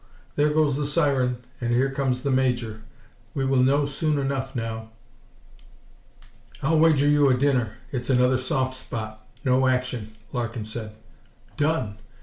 There goes the siren and here comes the Major. We will know soon enough now." "I'll wager you a dinner it's another soft spot no action," Larkin said. "Done!